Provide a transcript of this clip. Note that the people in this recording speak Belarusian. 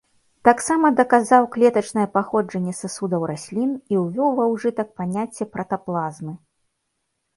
Таксама даказаў клетачнае паходжанне сасудаў раслін і ўвёў ва ўжытак паняцце пратаплазмы.